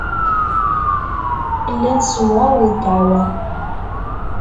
Llan ssemɣaren ddeɛwa.